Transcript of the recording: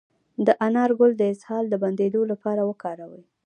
د انار ګل د اسهال د بندیدو لپاره وکاروئ